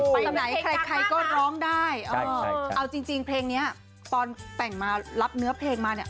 ไปไหนใครก็ร้องได้เอาจริงเพลงนี้ตอนแต่งมารับเนื้อเพลงมาเนี่ย